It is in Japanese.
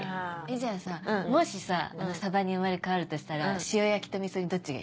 じゃあさもしさサバに生まれ変わるとしたら塩焼きと味噌煮どっちがいい？